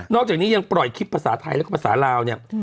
อกจากนี้ยังปล่อยคลิปภาษาไทยแล้วก็ภาษาลาวเนี่ย